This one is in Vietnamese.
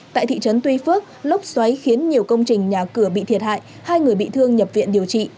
tại thị trấn tuy phước lốc xoáy khiến nhiều công trình nhà cửa bị thiệt hại hai người bị thương nhập viện điều trị